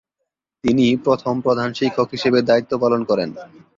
তিনি প্রথম প্রধান শিক্ষক হিসেবে দায়িত্ব পালন করেন।